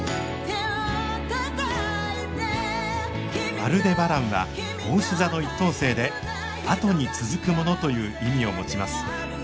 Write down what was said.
アルデバランはおうし座の１等星で「後に続くもの」という意味を持ちます。